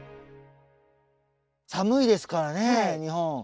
寒いですからね日本。